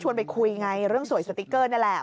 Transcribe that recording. ในเรื่องสวยสติ๊กเกอร์นั่นแหละ